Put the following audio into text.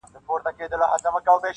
هر څوک د پېښې معنا بېله بېله اخلي,